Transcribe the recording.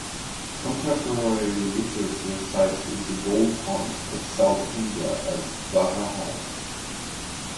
Contemporary literature cites the gold coins of south India as Varahas.